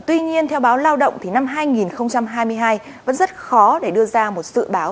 tuy nhiên theo báo lao động thì năm hai nghìn hai mươi hai vẫn rất khó để đưa ra một dự báo